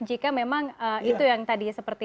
jika memang itu yang berarti